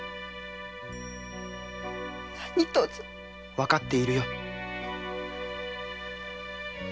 分かっているよ。